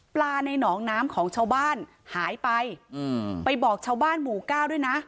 ในหนองน้ำของชาวบ้านหายไปไปบอกชาวบ้านหมู่เก้าด้วยนะ